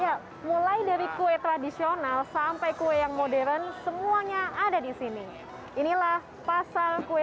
ya mulai dari kue tradisional sampai kue yang modern semuanya ada di sini inilah pasar kue